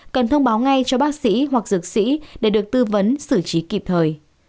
cần thông báo ngay cho bác sĩ hoặc dược sĩ để được tư vấn xử trí kịp thời